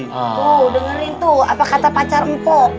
oh dengerin tuh apa kata pacar empuk